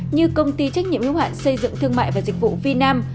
như công ty trách nhiệm hiếu hoạn xây dựng thương mại và dịch vụ vinam